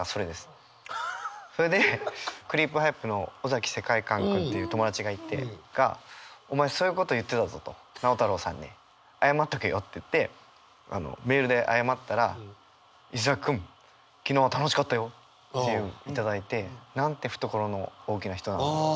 それでクリープハイプの尾崎世界観君っていう友達がいてが「お前そういうこと言ってたぞ」と「直太朗さんに謝っとけよ」って言ってメールで謝ったら「石崎君昨日は楽しかったよ」という頂いてなんて懐の大きな人なんだろうと。